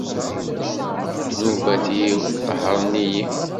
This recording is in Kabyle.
Ddnubat-iw qehren-iyi.